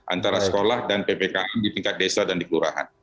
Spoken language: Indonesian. antara sekolah dan ppkm di tingkat desa dan dikeluargaan